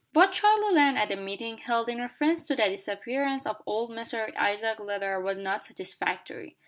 What Charlie learned at the meeting held in reference to the disappearance of old Mr Isaac Leather was not satisfactory.